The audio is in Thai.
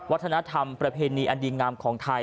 วัฒนธรรมประเพณีอันดีงามของไทย